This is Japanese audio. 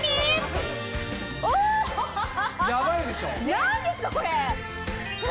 何ですかこれ！